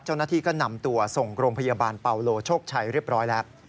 เจ้าหน้าที่ก็นำตัวส่งโรงพยาบาลเปาโลโชคชัยเรียบร้อยแล้ว